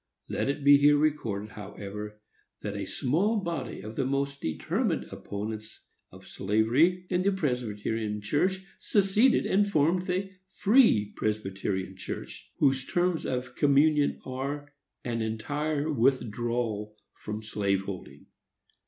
Let it be here recorded, however, that a small body of the most determined opponents of slavery in the Presbyterian Church seceded and formed the Free Presbyterian Church, whose terms of communion are, an entire withdrawal from slave holding.